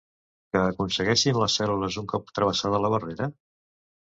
Què aconsegueixen les cèl·lules un cop travessada la barrera?